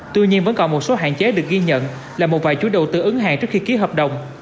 tuy nhiên vẫn còn một số hạn chế được ghi nhận là một vài chú đầu tư ứng hàng trước khi ký hợp đồng